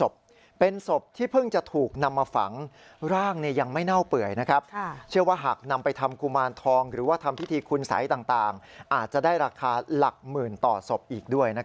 คือมาซุ่มดูนานแล้วใช่ไหมคิดว่าคิดว่าเป็นเขมรเขมรอเขมรไอ้ตอน